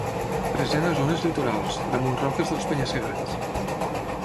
Present a zones litorals, damunt roques dels penya-segats.